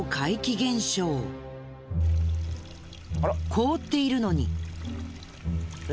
凍っているのに。